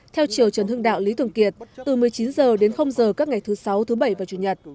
theo chiều trần hưng đạo lý thường kiệt từ một mươi chín h đến h các ngày thứ sáu thứ bảy và chủ nhật